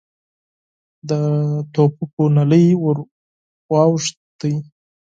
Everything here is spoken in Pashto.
د ټوپکو نلۍ ور واوښتې.